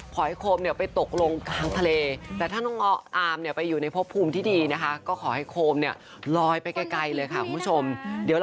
ขอให้โคมไปตกลงทางทะเล